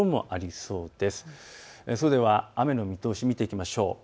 それでは雨の見通しを見ていきましょう。